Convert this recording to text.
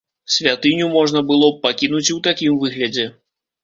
Святыню можна было б пакінуць і ў такім выглядзе.